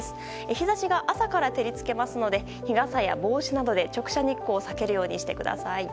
日差しが朝から照り付けますので日傘や帽子などで直射日光を避けるようにしてください。